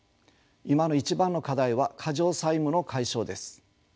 今の一番の課題は過剰債務の解消です。